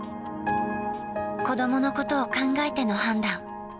子どものことを考えての判断。